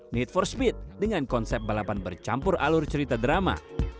need for speed dengan konsep balapan bercampur alur cerita drama